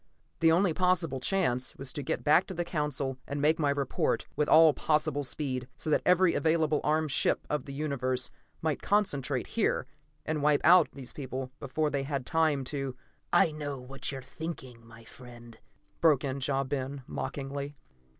The only possible chance was to get back to the Council and make my report, with all possible speed, so that every available armed ship of the universe might concentrate here, and wipe out these people before they had time to "I know what you are thinking, my friend," broke in Ja Ben mockingly.